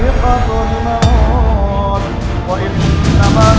ya allah ya allah